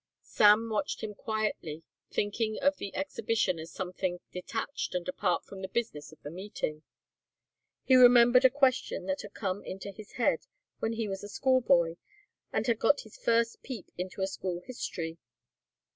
Sam watched him quietly thinking of the exhibition as something detached and apart from the business of the meeting. He remembered a question that had come into his head when he was a schoolboy and had got his first peep into a school history.